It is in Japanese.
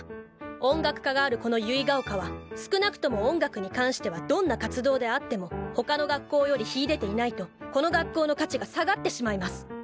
音楽科があるこの結ヶ丘は少なくとも音楽に関してはどんな活動であっても他の学校より秀でていないとこの学校の価値が下がってしまいます。